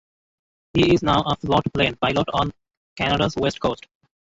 He is now a float plane pilot on Canada's west coast.